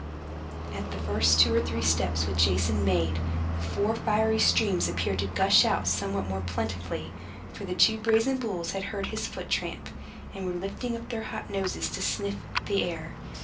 At the first two or three steps which Jason made, the four fiery streams appeared to gush out somewhat more plentifully; for the two brazen bulls had heard his foot tramp, and were lifting up their hot noses to snuff the air.